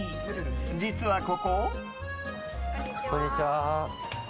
実は、ここ。